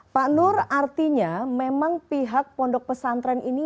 pak nur artinya memang pihak pondok pesantren ini